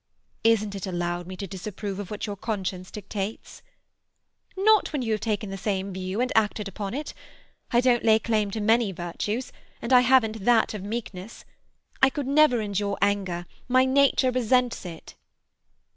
"Isn't it allowed me to disapprove of what your conscience dictates?" "Not when you have taken the same view, and acted upon it. I don't lay claim to many virtues, and I haven't that of meekness. I could never endure anger; my nature resents it."